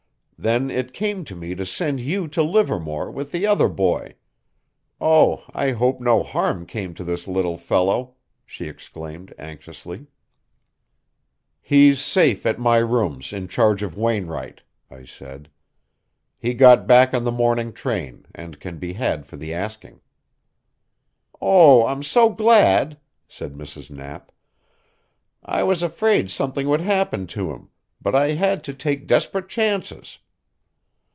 Then it came to me to send you to Livermore with the other boy oh, I hope no harm came to the little fellow," she exclaimed anxiously. "He's safe at my rooms in charge of Wainwright," I said. "He got back on the morning train, and can be had for the asking." "Oh, I'm so glad," said Mrs. Knapp. "I was afraid something would happen to him, but I had to take desperate chances.